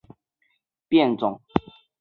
戟叶桑为桑科桑属下的一个变种。